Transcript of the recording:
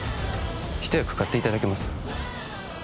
一役買っていただけます？